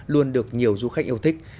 luôn được nhiều du khách yêu thích